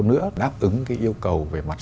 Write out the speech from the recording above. nữa đáp ứng cái yêu cầu về mặt